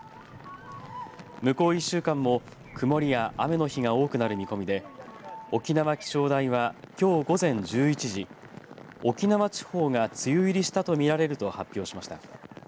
向こう１週間も曇りや雨の日が多くなる見込みで沖縄気象台は、きょう午前１１時沖縄地方が梅雨入りしたと見られると発表しました。